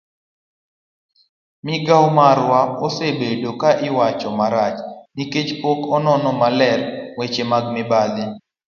migao marwa osebedo ka iwacho marach nikech pok onono maler weche mag mibadhi